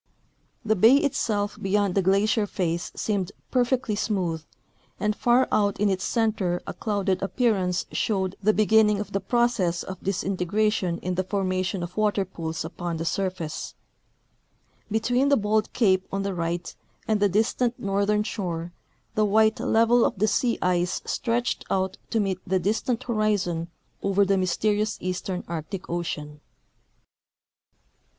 " The bay itself beyond the glacier face seemed perfectly smooth, and far out in its center a clouded appearance showed the beginning of the process of disintegration in the formation of water pools upon the surface. Between the bold cape on the right and the distant northern shore the white level of the sea ice stretched out to meet the distant horizon over the mj^'sterious eastern Arctic ocean."